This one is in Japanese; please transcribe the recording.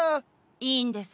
いいんです。